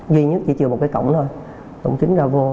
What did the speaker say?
duy nhất chỉ chiều một cái cổng thôi tổng chính ra vô